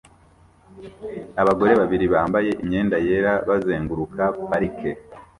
Abagore babiri bambaye imyenda yera bazenguruka parike